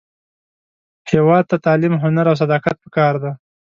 هیواد ته تعلیم، هنر، او صداقت پکار دی